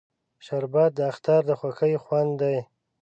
شربت د اختر د خوښۍ خوند دی